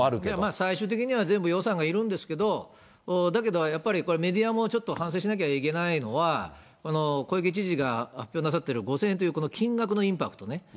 最終的には全部予算がいるんですけど、だけどやっぱりこれはメディアもちょっと反省しなきゃいけないのは、小池知事が発表なさってる５０００円というこの金額のインパクトね。